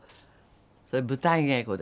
それ舞台稽古で。